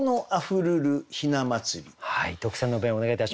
特選の弁をお願いいたします。